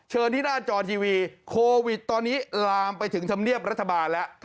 ที่หน้าจอทีวีโควิดตอนนี้ลามไปถึงธรรมเนียบรัฐบาลแล้ว